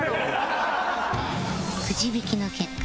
くじ引きの結果